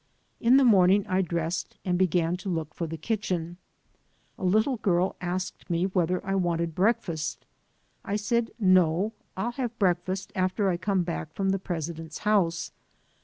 In the morning I dressed and began to look for the kitchen. A little girl asked me whether I wanted breakfast. I said, "No; I'll have breakfast after I come back from the president's house.